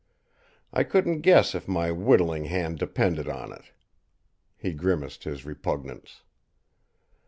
I couldn't guess if my whittling hand depended on it." He grimaced his repugnance.